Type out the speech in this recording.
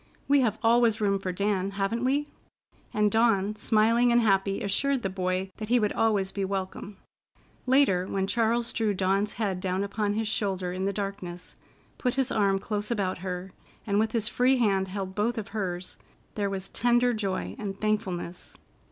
We have always room for Dan, haven't we?" And Dawn, smiling and happy, assured the boy that he would always be welcome. Later, when Charles drew Dawn's head down upon his shoulder in the darkness, put his arm close about her, and with his free hand held both of hers, there was tender joy and thankfulness.